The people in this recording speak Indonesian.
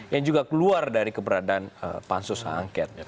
yang juga keluar dari keberadaan pansus h angket